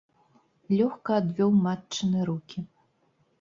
Лёгка адвёў матчыны рукі.